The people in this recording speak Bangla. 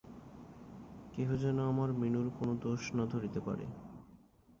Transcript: কেহ যেন আমার মিনুর কোনো দোষ না ধরিতে পারে।